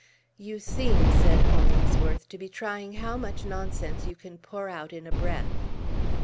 "You seem," said Hollingsworth, "to be trying how much nonsense you can pour out in a breath."